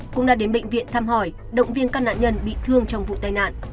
cũng đã đến bệnh viện thăm hỏi động viên các nạn nhân bị thương trong vụ tai nạn